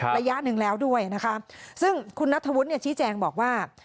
ระยะหนึ่งแล้วด้วยนะคะซึ่งคุณนัทธวุฒิเนี่ยชี้แจงบอกว่า